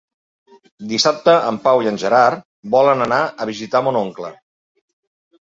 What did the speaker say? Dissabte en Pau i en Gerard volen anar a visitar mon oncle.